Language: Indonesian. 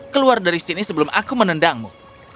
keluar dari sini sebelum aku menendangmu